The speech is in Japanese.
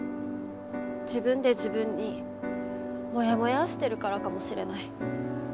自分で自分にもやもやーしてるからかもしれない。